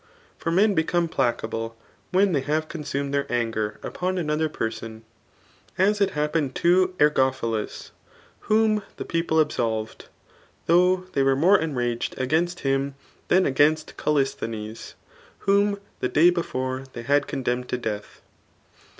For men become placable^ when they have consumed their anger upon another person j as it happened to Ergophilus; whom the people absolved, though they were more enraged against him than agamst Callisthenes, whom the day before they had condemned to death.